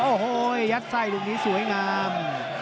โอ้โหยัดไส้ลูกนี้สวยงาม